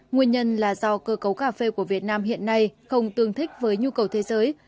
nguyên nhân là do cơ cấu cà phê của việt nam hiện nay không tương thích với nhu cầu thế giới